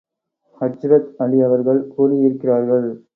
ஹஜ்ரத் Ali அவர்கள் கூறியிருக்கிறார்கள்.